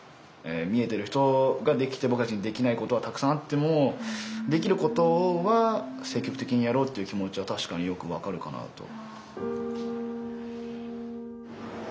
見えてる人ができて僕たちにできないことはたくさんあってもできることは積極的にやろうっていう気持ちは確かによく分かるかなと。